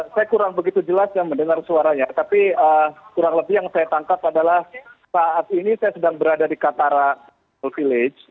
saya kurang begitu jelas yang mendengar suaranya tapi kurang lebih yang saya tangkap adalah saat ini saya sedang berada di qatar village